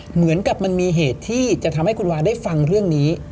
เหมือนกับมันมีเหตุที่จะทำให้คุณวาได้ฟังเรื่องนี้